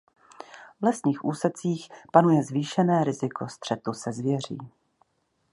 V lesních úsecích panuje zvýšené riziko střetu se zvěří.